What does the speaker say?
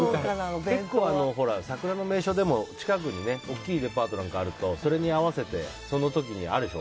結構、桜の名所でも近くの大きいデパートがあるとそれに合わせてその時にあるでしょ。